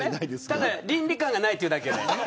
ただ倫理感がないというだけで。